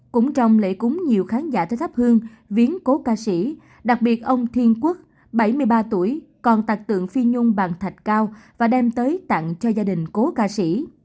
cũng trong lễ cúng nhiều khán giả tới thắp hương viếng cố ca sĩ đặc biệt ông thiên quốc bảy mươi ba tuổi còn tạc tượng phi nhung bằng thạch cao và đem tới tặng cho gia đình cố ca sĩ